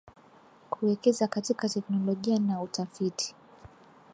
kuwekeza katika teknolojia na utafiti